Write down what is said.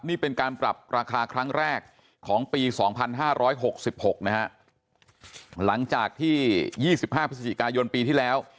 นี่เป็นการปรับราคาครั้งแรกของปีสองพันห้าร้อยหกสิบหกนะฮะหลังจากที่ยี่สิบห้าพฤศจิกายนปีที่แล้ว